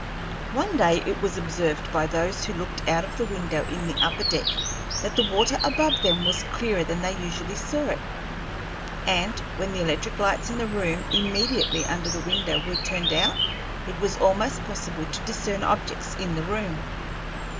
One day it was observed by those who looked out of the window in the upper deck that the water above them was clearer than they usually saw it, and when the electric lights in the room immediately under the window were turned out it was almost possible to discern objects in the room.